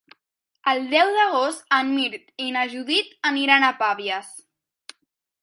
El deu d'agost en Mirt i na Judit aniran a Pavies.